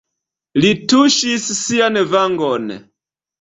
Li tuŝis sian vangon.